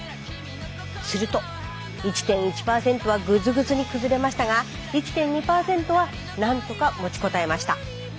すると１．１％はぐずぐずに崩れましたが１．２％はなんとか持ちこたえました。